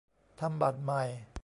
ทำบัตรใหม่